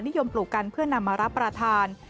นิยมปลูกกันเพื่อนำมารับประทาน